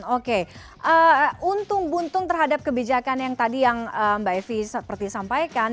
oke untung buntung terhadap kebijakan yang tadi yang mbak evi seperti sampaikan